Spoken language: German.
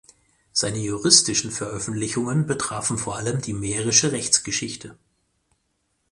Seine juristischen Veröffentlichungen betrafen vor allem die mährische Rechtsgeschichte.